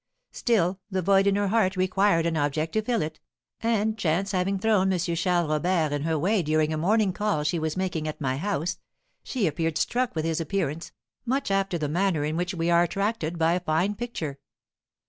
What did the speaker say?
Still, the void in her heart required an object to fill it, and chance having thrown M. Charles Robert in her way during a morning call she was making at my house, she appeared struck with his appearance, much after the manner in which we are attracted by a fine picture.